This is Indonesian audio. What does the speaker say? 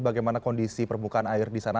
bagaimana kondisi permukaan air di sana